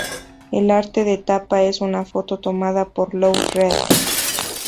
El arte de tapa es una foto tomada por Lou Reed.